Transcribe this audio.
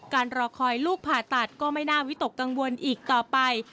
รอคอยลูกผ่าตัดก็ไม่น่าวิตกกังวลอีกต่อไป